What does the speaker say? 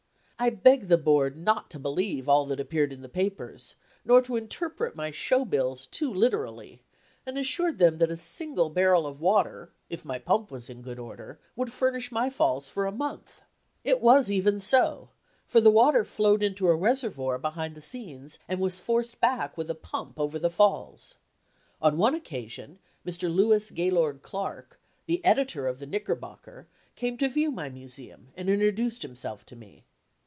I begged the board not to believe all that appeared in the papers, nor to interpret my show bills too literally, and assured them that a single barrel of water, if my pump was in good order, would furnish my falls for a month. It was even so, for the water flowed into a reservoir behind the scenes, and was forced back with a pump over the falls. On one occasion, Mr. Louis Gaylord Clark, the editor of the Knickerbocker, came to view my museum, and introduced himself to me.